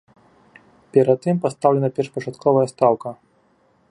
Перад тым пастаўлена першапачатковая стаўка.